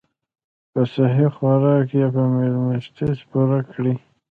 پۀ سهي خوراک يا پۀ سپليمنټس پوره کړي -